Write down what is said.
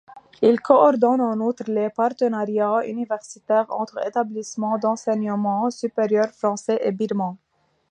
Il coordonne en outre les partenariats universitaires entre établissements d'enseignement supérieur français et birmans.